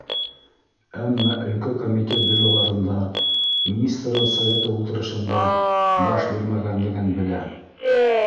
Әммә әлкә комитет бюроларында, Министрҙар Советы ултырышында баш бирмәгәнлеген белә